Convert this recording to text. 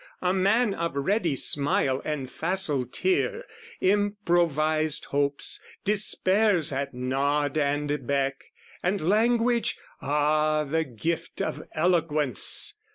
A man of ready smile and facile tear, Improvised hopes, despairs at nod and beck, And language ah, the gift of eloquence!